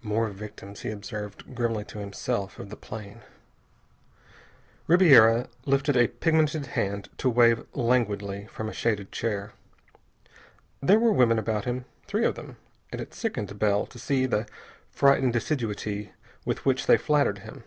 "More victims," he observed grimly to himself, of the plane. Ribiera lifted a pigmented hand to wave languidly from a shaded chair. There were women about him, three of them, and it sickened Bell to see the frightened assiduity with which they flattered him.